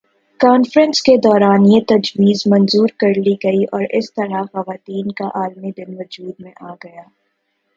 conference کے دوران یہ تجویز منظور کر لی گئی اور اس طرح خواتین کا عالمی دن وجود میں آگیا